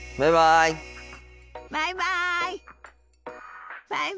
バイバイ。